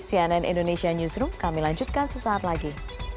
cnn indonesia newsroom kami lanjutkan sesaat lagi